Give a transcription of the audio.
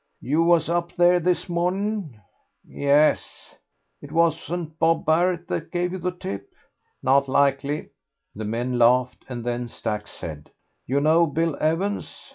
"You was up there this morning?" "Yes." "It wasn't Bob Barrett that gave you the tip?" "Not likely." The men laughed, and then Stack said "You know Bill Evans?